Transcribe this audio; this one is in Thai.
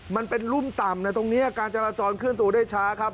มันเป็นรุ่มต่ำนะตรงนี้การจราจรเคลื่อนตัวได้ช้าครับ